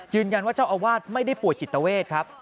ยืนยันว่าเจ้าอาวาสไม่ได้ป่วยจิตเวทครับ